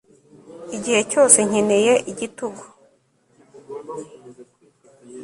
Igihe cyose nkeneye igitugu